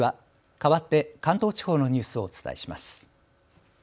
かわって関東地方のニュースをお伝えします。